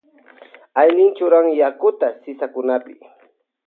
Aylin churan yakuta sisakunapi.